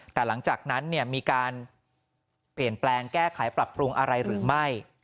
แต่หลังจากนั้นมีการเปลี่ยนแปลงแก้ไขปรับปรุงอะไรหรือไม่